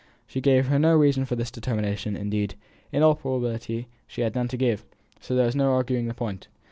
She gave no reason for this determination; indeed, in all probability she had none to give; so there was no arguing the point.